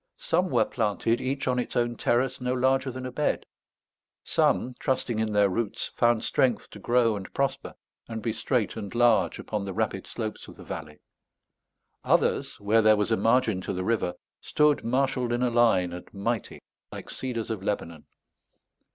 Some were planted, each on its own terrace no larger than a bed; some, trusting in their roots, found strength to grow and prosper and be straight and large upon the rapid slopes of the valley; others, where there was a margin to the river, stood marshaled in a line and mighty like cedars of Lebanon.